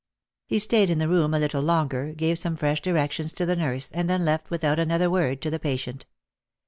He stayed in the room a little longer, gave some fresh direc tions to the nurse, and then left without another word to the patient.